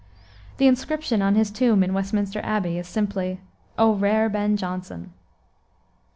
The inscription on his tomb, in Westminster Abbey, is simply "O rare Ben Jonson!"